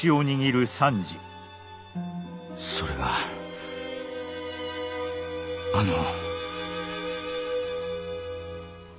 それがあの。